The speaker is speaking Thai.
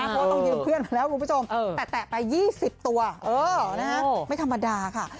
เพราะว่าต้องยืมเพื่อนมาแล้วคุณผู้ชมแต่แตะไป๒๐ตัวไม่ธรรมดาค่ะ